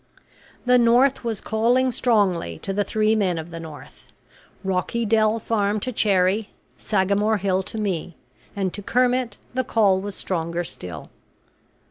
The north was calling strongly to the three men of the north Rocky Dell Farm to Cherrie, Sagamore Hill to me; and to Kermit the call was stronger still.